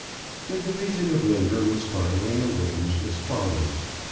The division of labour was finally arranged as follows.